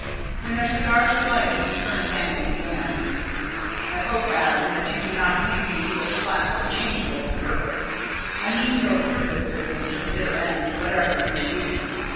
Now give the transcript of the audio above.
When their cigars were lighted, Sir Nathaniel began. "I hope, Adam, that you do not think me either slack or changeable of purpose. I mean to go through this business to the bitter end whatever it may be.